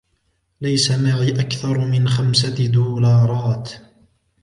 ليس معي أكثر من خمسة دولارات